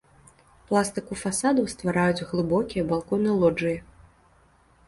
Пластыку фасадаў ствараюць глыбокія балконы-лоджыі.